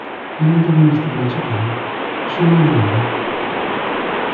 Gli antagonisti principali sono la Madre.